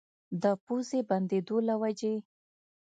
د پوزې بندېدو له وجې